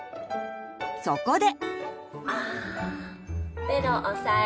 そこで。